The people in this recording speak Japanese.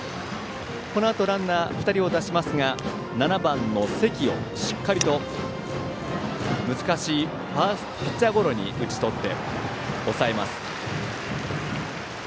このあとランナー２人を出しますが７番の関をしっかりと難しいピッチャーゴロに打ち取って抑えます。